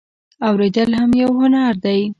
اوریدل هم یو هنر دی